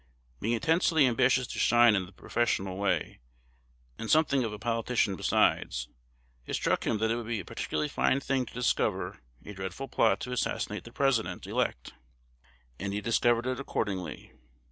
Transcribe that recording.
Being intensely ambitious to shine in the professional way, and something of a politician besides, it struck him that it would be a particularly fine thing to discover a dreadful plot to assassinate the President elect; and he discovered it accordingly.